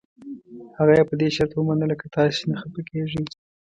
هغه یې په دې شرط ومنله که تاسي نه خفه کېږئ.